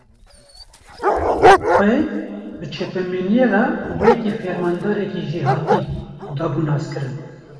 Xwe, bi çapemeniyê re wekî fermandarekî jêhatî, dabû naskirin